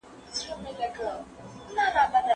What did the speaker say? زه به سبا کتابتون ته راشم!!